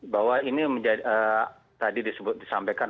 bahwa ini tadi disampaikan